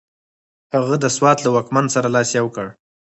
هغه د سوات له واکمن سره لاس یو کړ.